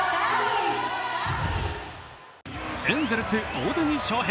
エンゼルス・大谷翔平